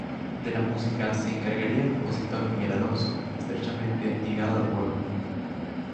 De la música se encargaría el compositor Miguel Alonso, estrechamente ligado al pueblo.